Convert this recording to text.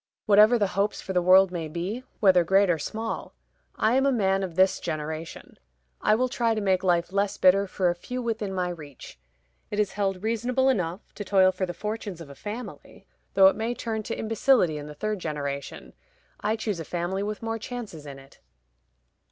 Whatever the hopes for the world may be whether great or small I am a man of this generation; I will try to make life less bitter for a few within my reach. It is held reasonable enough to toil for the fortunes of a family, though it may turn to imbecility in the third generation. I choose a family with more chances in it."